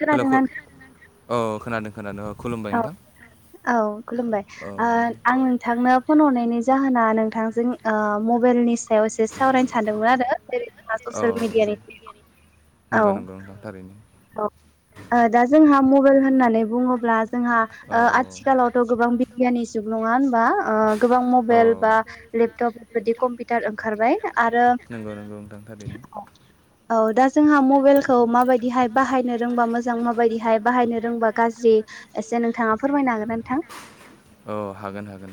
खोनादों ना नोंथां? औ खोनादों खोनादों औ औ खुलुमबाय आं नोंथांनो फन हरनायनि जाहोना नोंथांजों मबेलनि सायाव एसे सावरायनो सानदोंमोन आरो जेरै जों ससियेल मेडियानि नंगौ नंगौ थारैनो औ दा जोंहा मबाइल होननानै बुङोब्ला जोंहा आथिखालाव गोबां बिगियाननि जुग नङा होनबा गोबां मबेल बा लेपटप बेफोरबादि कम्पिउटार ओंखारबाय आरो नंगौ नंगौ नोंथां थारैनो औ दा जोंहा मबेलखौ माबायदिहाय बाहायनो रोंबा मोजां माबायदिहाय बाहायनो रोंबा गाज्रि एसे नोंथाङा फोरमायनो हागोन ना नोंथां? औ हागोन हागोन,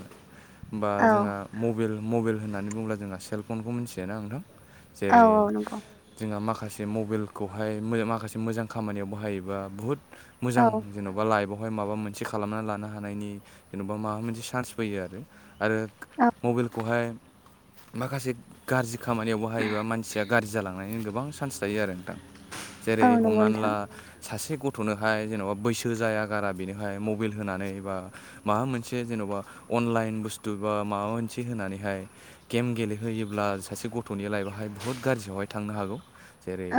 होमबा जोंहा मबेल-मबेल होननानै बुंब्ला जोंहा सेलफनखौ मिथियोना नोंथां? जेरै जोंहा माखासे मबेलखौहाय माखासे मोजां खामानियाव बाहायोबा बुहुत मोजां जेन'बा लाइफ आवहाय माबा मोनसे खालामनानै लानो हानायनि जेन'बा माबा मोनसे चान्स फैयो आरो। आरो औ मबेलखौ हाय माखासे गाज्रि खामानियाव बाहायोबा मानसिया जालांनायनि गोबां चान्स थायो आरो नोंथां। जेरै हमनानै ला सासे गथ'नोहाय जेन'बा बैसो जाया गारा बेनोहाय मबेल होनानै बा माबा मोनसे जेन'बा अनलाइन बुस्तु बा माबा मोनसे होनानैहाय गेम गेलेहोयोब्ला सासे गथ'नि लाइफआवहाय बुहुत गाज्रियावहाय थांनो हागौ जेरै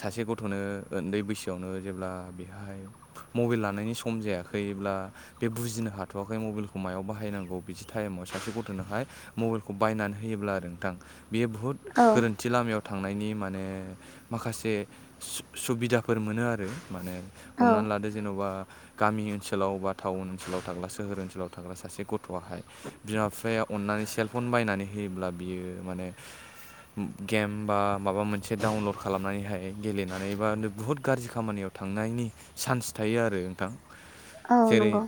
सासे गथ'नो उन्दै बैसोआवनो जेब्ला बेहाय मबाइल लानायनि सम जायाखैब्ला बे बुजिनो हाथ गथ'वखै मबाइलखौ मायाव बाहायनांगौ बिदि टाइमाव सासे गथ'नोहाय मबाइलखौ बायनानै होयोब्ला आरो नोंथां बेयो बुहुत गोरोन्थि लामायाव थांनायनि माने माखासे सुबिदाफोर मोनो आरो माने हमनानै लादो जेन'बा गामि ओनसोलाव बा टाउन ओनसोलाव थाग्ला सोहोर ओनसोलाव थाग्रा सासे गथ' गथ'आहाय बिमा बिफाया अननानै सेलफन बायनानै होयोब्ला बियो माने गेम बा माबा मोनसे डाउनलड खालामनानैहाय गेलेनानै बा बुहुत गाज्रि खामानियाव थांनायनि चान्स थायो आरो नोंथां औ नंगौ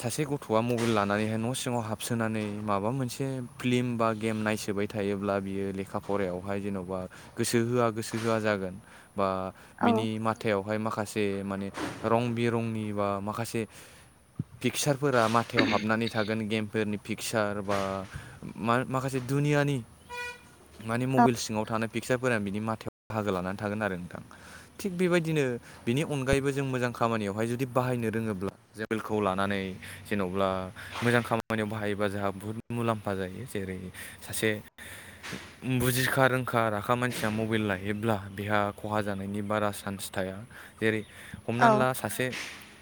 सासे गथ'आ मबाइल लानानैहाय न' सिङाव हाबसोनानै माबा मोनसे फिलि्म बा गेम नायसोबाय थायोब्ला बियो लेखा फरायायावहाय जेन'बा गोसो होआ गोसो होआ जागोन बा बिनि मथायावहाय माखासे माने रं बिरंनि बा माखासे पिकसारफोरा मथायाव हाबनानै थागोन गेमफोरनि पिकचार बा माखासे दुनियानि माने मबाइल सिङाव थानो पिकसारफोर बिनि माथायाव बाहागो लानानै थागोन आरो नोंथां थिग बेबायदिनो बिनि अनगायैबो जों मोजां खामानियावहाय जुदि बाहायनो रोङोब्ला खौ लानानै जेनब्ला मोजां खामानियाव बाहायोबा जोंहा बुहुद मुलाम्फा जायो जेरै सासे बुजिखा रोंखा राखा मानसिया मबाइल लायोब्ला बेहा खहा जानायनि बारा सान्स थाया जेरै हमनानै ला सासे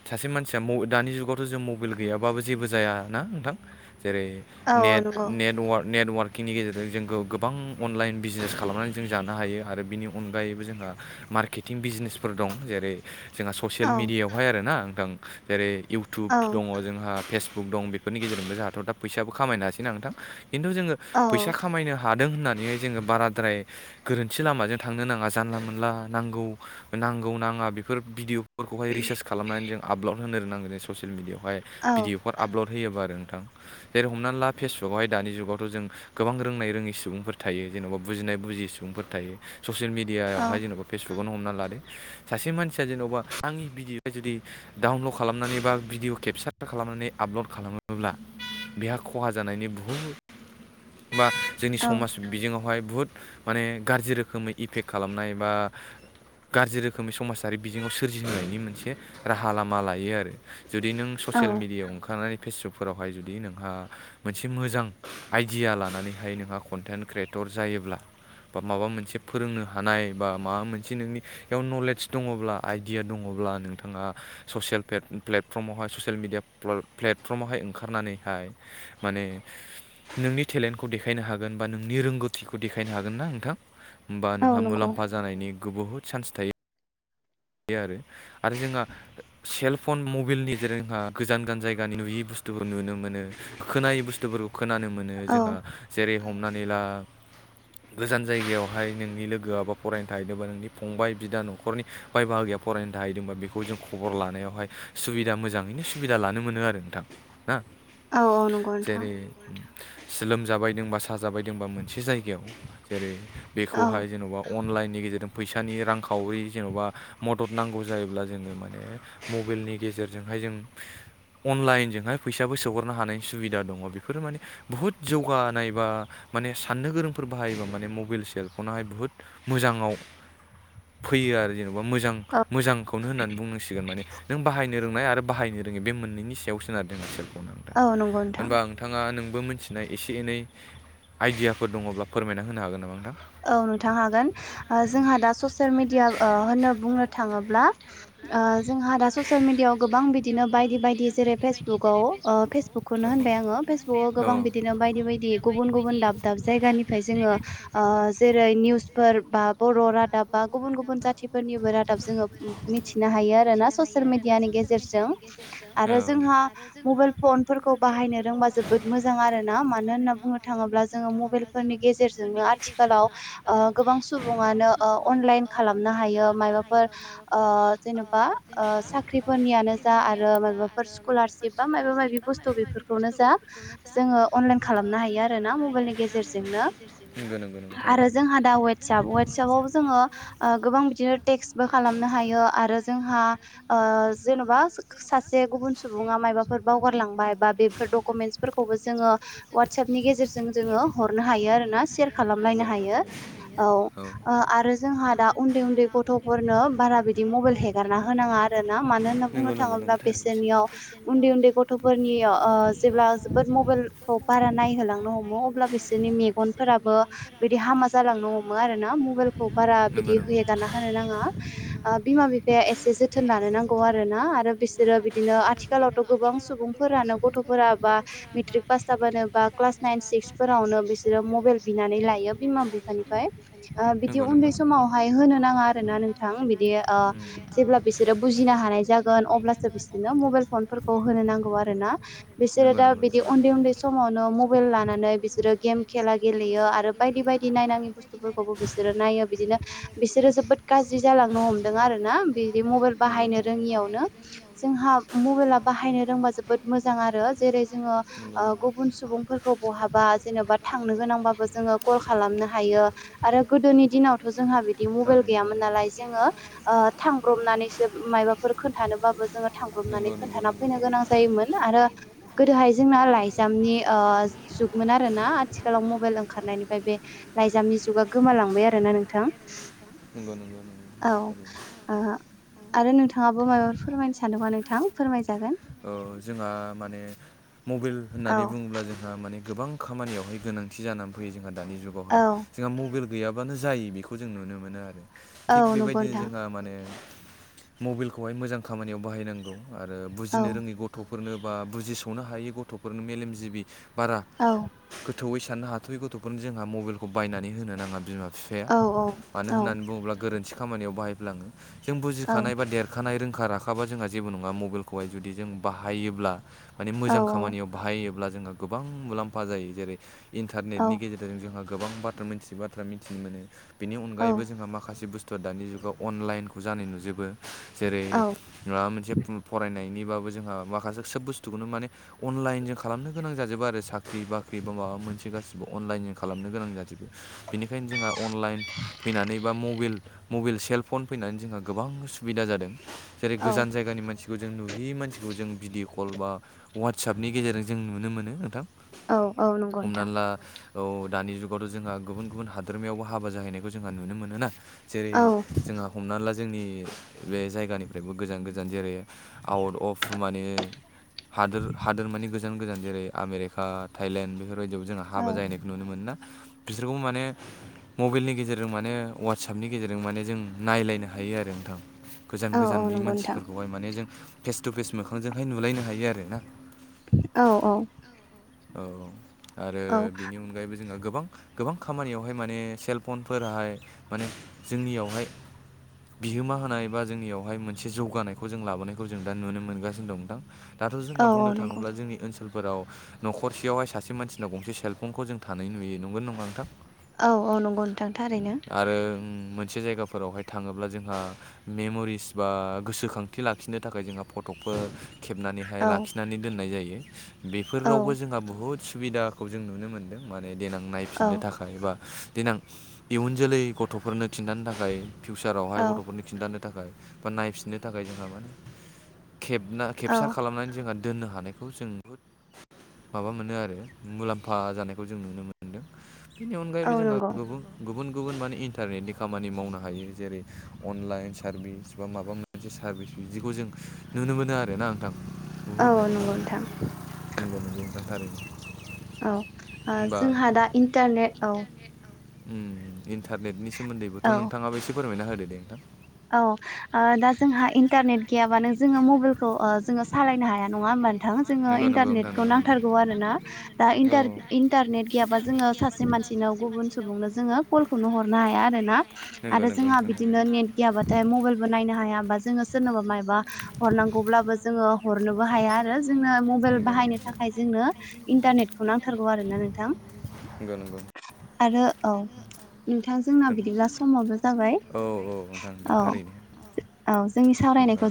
सासे मानसिया दानि जुग जगावथ' जों मबाइल गैयाबाब जेबो जायाना नोंथां जेरै नेट नेटर्क नेटवर्क कि नि गेजेरजों जोंखौ गोबां अनलाइन बिजनेस खालामनानै जों जानो हायो आरो बिनि अनगायैबो जोंहा मारक किथिं बिजनेसफोर दं जेरै जोंहा ससियेल मिडियायावहाय आरोना नोंथां जेरै इउटुब दङ जोंहा फेसबुक दं बेफोरनि गेजेरजोंबो जाहाथ' दा फैसाबो खामायनो हासै नंथां खिन्थु जोङो फैसा खामायनो थादों होननानैहाय जोङो बाराद्राय गोरोन्थि लामाजों थांनो नाङा जानला मोनला नांगौ नांगौ नाङा बेफोर भिडिअ खौहाय रिसार्च खालामनानै जों आपलड होनोनांग जों ससियेल मिडियाायावहाय भिडिअ बेर आपल'ड होयोबा आरो नोंथां जेरै हमनानै ला फेसबुकआवहाय दानि जुगावथ' जों गोबां रोंनाय रोङि सुबुंफोर थायो जेन'बा बुजिनाय बुजियै सुबुंफोर थायो ससियेल मिडियाआवहाय जेन'बा फेसबुकावनो हमना लादो सासे मानसिया जेन'बा आंनि भिडिअ' जुदि डाउनलड खालामनानै बा भिडिअ केपसार खालामनानै आपल'ड खालामोब्ला बेहा खहा जानायनि बुहुत बा जोंनि समाज बिजोंआवहाय बुहुद माने गाज्रि रोखोमै इफेक्ट खालामनाय बा गाज्रि रोखोमै समाजारि बिजोङाव सोरजिहोनायनि मोनसे राहा लामा लायो आरो जुदि नों ससियेल मिडियाायाव ओंखारनानै फेसबुकफोरावहाय जुदि नोंहा मोनसे मोजां आइडिया लानानैहाय नोंहा कन्टेन्ट क्रियेटर जायोब्ला बा माबा मोनसे फोरोंनो हानाय बा माबा मोनसे नोंनि बेयाव नलेज दङब्ला आइडिया दङब्ला नोंथाङा ससेयेल पेक प्लेट पेटफर्मावहाय ससियेल मिेडिया प्लेटफर्मावहाय ओंखारनानैहाय माने नोंनि टेलेन्टखौ देखायनो हागोन बा नोंनि रोंगौथिखौ देखायनो हागोन ना नोंथां होमबा नोंहा मुलाम्फा जानायनि गो बुहुत चान्स थायो बे आरो आरो जोंहा सेलफन मब मबाइलनि गेजेरजों जोंहा गोजान गोजान जायगानि नुयि बुस्थुफोरखौ नुनो मोनो खोनायै बुस्थुफोरखौ खोनानो मोनो जोंहा जेरै हमनानै ला गोजान जायगायावहाय नोंनि लोगोआबा फरायनो थाहैदोंबा नोंनि फंबाय बिदा न'खरनि बफाय बाहागैया फरायनो थाहैदोंबा बेखौ जों खबर लानायावहाय सुबिदा मोजाङैनो सुबिदा लानो मोनो आरो नोंथां ना औ औ नंगौ नोंथां लोमजाबायदोंबा साजाबायदोंबा मोनसे जायगायाव जेरै बेखौहाय जेन'बा अनलाइननि गेजेरजों फैसानि रांखावरि जेन'बा मदद नांगौ जायोब्ला जोङो माने मबाइलनि गेजेरजोंहाय जों अनलाइनजोंहाय फैसाबो सोंहरनो हानायनि सुबिदा दङ बेफोरो माने बुहुत जौगानायबा माने साननो गोरोंफोर बाहायोबा माने मबाइल सेलफनहाय बुहुत मोजाङाव फैयो आरो जेनेबा मोजां मोजां खनो होनना बुंनां सिगोन नों बाहाय रोंनाय आरो बाहायनो रोङो बे मोननैनि सायाव सोनारदों आं सोरखौननानै औ नंगौ नोंथां नोंथाङा नोंबो मिथिनाय एसे एनै आइडियाफोर दङब्ला फोरमायना होनो हागोन नामा नोंथां औ नोंथां हागोन जोंहा दा ससियेल मेडिया होननो ओ बुंनो थाङोब्ला ओजोंहा दा ससियेल मिडियाायाव गोबां बिदिनो बायदि बायदि जेरै फेसबुकाव ओ फेसबुकखौनो होनबाय आङो फेसबुकाव गोबां बिदिनो बायदि बायदि गुबुन गुबुन दाब दाब जायगानिफ्राय जोङो ओ जेरै निउसफोर बा बर' रादाब बा गुबुन गुबुन जाथिफोरनिबो रादाब जोङो मिथिनो हायो आरोना ससियेल मिडियानि गेजेरजों आरो जोंहा मबाइल फनफोरखौ बाहायनो रोंबा जोबोद मोजां आरोना मानो होनना बुंनो थाङोब्ला जोङो मबाइल फोरनि गेजेरजोंनो आरो ओ गोबां सुबुङानो अनलाइन खालामनो हायो माबाफोर ओ जेन'बा साख्रिफोरनियानो जा आरो माबाफोर स्कलारशिप बा माबा माबि बुस्थु थ' बेफोरखौनो जा जोङो अनलाइन खालामनो हायो आरो ना मबाइलनि गेजेरजोंनो नंगौ नोंग आरो जोंहा दा वाट्सप वाट्सपआव जोङो ओ गोबां बिदिनो टेक्सबो खालामनो हायो आरो जोंहा ओ जेन'बा सासे गुबुन सुबुङा मायाबाफोर बावगारलांबाय बा बेफोर डकुमेन्टसफोरखौबो जोङो वाटसपनि गेजेरजों जोङो हरनो हायो आरोना स्येर खालामलायनो हायो औ आरो जोंहा दा उन्दै उन्दै गथ'फोरनो बारा बिदि मबाइल हेगारना होनाङा आरोना मानो होनना बुंनो थाङोब्ला बेसोरनियाव उन्दै उन्दै गथ' गथ'फोरनि ओ जेब्ला जोबोद मबाइलखौ बारा नायहोलांनो हमो अब्ला बिसोरनि मेगनफोराबो बिदि हामा जालांनो हमो आरो ना मबाइलखौ बारा बिदि होेगारना होनो नाङा बिमा बिफाया एसे जोथोन लानो नांगौ आरो ना आरो बिसोरो बिदिनो आथिखालावथ' गोबां सुबुं फोरानो गथ'फोरा बा मेट्रिक पास जाबानो बा क्लास नाइन सिक्सफोरावनो बिसोरो मबाइल बिनानै लायो बिमा बिफानिफ्राय बिदि उन्दै समाव बहाय होनो नाङा आरोना नोंथां बिदि जेब्ला बिसोरो बुजिनो हानाय जागोन अब्लासो बिसोरनो मबाइल फनफोरखौ होनो नांगौ आरो ना बिसोरो दा बिदि उन्दै उन्दै समावनो मबाइल लानानै बिसोरो गेम खेला गेलेयो आरो बायदि बायदि नायनाङि बुस्थुफोरखौबो बिसोरो नायो बिदिनो बिसोरो जोबोद गाज्रि जालांनो हमदों आरो ना बिदि मबाइल बाहायनो रोङियावनो जोंहा मबाइला बाहायनो रोंबा जोबोद मोजां आरो जेरै जोङो ओ गुबुन सुबुं बहाबा जेनेबा थां नो गोनांबो जो खालामनो हायो आरोगोदोनि दिनावथ' जों बि मबाइल गैयामोन नालाय जोङो थांब्रबनानैसो मायाबाफोर खोन्थानोबाबो जोङो थांब्रबनानै खोन्थाना फैनो गोनां जायोमोन आरो गोदोहाय जोंना लाइजामनि ओ जुगमोन आरोना आथिखालाव मबाइल ओंखारनायनिफ्राय बे लाइजामनि जुगा गोमालांबाय आरो ना नोंथां औ। आहा आरो नोंथाङाबो माबाफोर फोरमायनो सानदोंबा नोंथां फोरमायजागोन। ओ जोंहा माने मबाइल होननानै बुङोब्ला जोंहा माने गोबां खामानियावहाय गोनांथि जानानै फैयो जोंहा दानि जुगावहाय जोंहा मबाइल गैयाबानो जायो बेखौ जों नुनो मोनो आरो। थिग बेबायदिनो जोंहा माने मबाइलखौहाय मोजां खामानियाव बाहायनांगौ आरो बु गिनो रोङै गथ'फोरनो बा बुजिस'नो हायि गथ'फोरनो मेलेमजिबि बारा औ गोथौयै साननो हाथ'यै गथ'फोरनो जोंहा मबाइलखौ बायनानै होनो नाङा बिमा फिफाया मानो होननानै बुङोब्ला गोरोन्थि खामानियाव बाहायफ्लाङो जों बुजिखानाय एबा देर खानाय रोंखा राखाबा जोंहा जेबो नङा मबाइलखौहाय जुदि जों बाहायोब्ला माने मोजां खामानियाव बाहायोब्ला जोंङो गोबां मुलाम्फा जायो। जेरै इन्टारनेटनि गेजेर जोंजोंहा गोबां बाथा मिथियै बाथ्रा मिथिनो मोनो। बेनि अनगयैबो जोहा माखासे बुस थुआ दानि जुगाव अनलाइनखौ जानाय नुजोबो जेरै माबा मोनसे फरायनायनिबाबो जोंहा माखासे सोब बुस्थुखौनो माने अनलाइनजों खालामनो गोनां जाजोबो आरो साख्रि बाख्रि बा माबा मोनसे गाैबो अनलाइनजों खालामनो गोनां जाजोबो। बेनिखायनो जोंहा अनलाइन फैनानै बा मबेल मबेल सेलफन फैनानै जोंहा गोबां सुबिदा जादों जेरै गोजान जायगानि मा खौ जों नुहै मानसिखौ जों भिडिअ कल बा वाट्सपनि गेजेरजों जों नुनो मोनो नोंथां। हमना ला औ दानि जुगावथ' जोंहा गुबुन गुबुन हादोरमायावबो हाबा जाहैनायखौ जोंहा नुनो मोनोना। जेरै जोंहा हमना ला जोंनि बे जायगानिफ्रायबो गोजान गोजान जेरै आउट अफ माने हादोर हादोरमानि गोजान गोजान जेरै आमेरिका थाइलेण्ड बेफोरबायादियावबो जोंहा हाबा जाहैनाय नुनो मोन ना? बिसोरखौ माने मबाइलनि गेजेरजों माने वाट्सपनि गेजेरजों माने जों नायलायनो हायो आरो नोंथां। गोजान गोजाननि मानसिफोरखौहाय माने जों फेस टु फेस मोखांजोंहाय नुलायनो हायो आरो ना। औ औ। औ। आरो बिनि अनगायैबो जोंहा गोबां गोबां खामानियावहाय माने सेलफनफोराहाय माने जोंनियावहाय बिहोमा होनाय बा जोंनियावहाय मोनसे जौगानायखौ जों लाबोनाय खौ जों दा ननो मोनगानो दं नोथां। दाथ' जोंहा बुंनो थाङोब्ला जोंनि ओनसो लफोराव न'खरसेयावहाय सासे मानसिनाव गंसे सेलफनखौ जों थानाय नुयो नंगोना नङा नोंथां? औ औ नंगौ नोंथां। थारैनो। आरो मोनसे जायगाफोरावहाय थाङोब्ला जोंहा मेमरिस बा गोसोखांथि ला खिनो थाखाय जोंहा फट'खौ खेबनानैहाय लाखिनानै दोननाय जायो। बेफोरावबो जोंहा बुहुद सुबिदाखौ जों नुनो मोनदों माने देनां नायफिननो था खाय एबा देनां इयुन जोलै गथ'फोरनो खिन्थानो थाखाय फिउचारावहाय गथ'फोरनो खिन्थानो थाखाय बा नायफिननो थाखाय जोंहा मा खेबना खेबसा खालामनानै जोंहा दोननो हानायखौ जों बहुद माबा मोनो आरो मुलाम्फा जानायखौ जों नुनो मोन्दों। बेनि अनगायैबो जोंहा गुबु गुबुन गुबुन माने इन्टारनेटनि खामानि मावनो हायो। जेरै अनलाइन सारभिस बा माबा मोनसे सार्भिस बिदिखौ जों नुनो मोनो आरोना नोंथां। बहुदनो। [unintelligible] औ। आ जोंहा दा इन्टारनेट औ। ओम इन्टारनेटनि सोमोन्दैबोथ' नोंथाङाबो एसे फोरमायना होदो दे नोंथां। औ आ दा जोंहा इन्टारनेट गैयाबाानो जोङो मबाइलखौ ओ जोङो सालायनो हाया नङा होमबा थां जोङो इन्टारनेटखौ नांथारगौ आरो ना दा इन्टार इन्टारने गैयाबा जो सा से मानसिनाव गुबुन सुबुंनो जोङो कलखौनो हरनो हाया आरोना आरो जोंहा बिदिनो नेट गैयाबाथाय मबाइलबो नायनो हाया होमा जोङो सोरनोबा मायबा हरनांगौब्लाबो जोङो हरनोबो हाया आरो जोंनो मबाइल बाहायनो थाखाय जोंनो इन्टारनेटखौ नांथारगौ आरोना नोंथां। नंगौ नोंंगौ। आरो औ नोंथां जोंना बिदिब्ला समाबो जाबाय औ औ नोंथां नोंथां थारैनो औ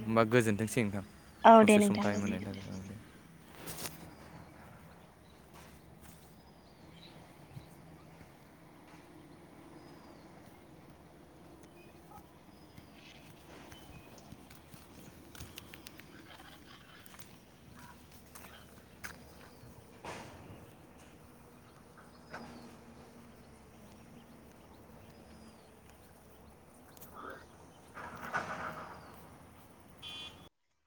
होमबा गोजोनथोंसै नोंथां दसे सम टाइम होनाय थाखाय आ [inaudible]